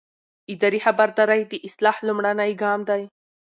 اداري خبرداری د اصلاح لومړنی ګام دی.